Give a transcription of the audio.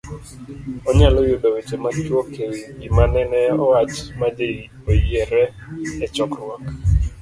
Onyalo yudo weche machuok e wi gima nene owach ma ji oyiere e chokruok